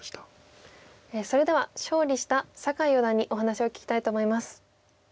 それでは勝利した酒井四段にお話を聞きたいと思います。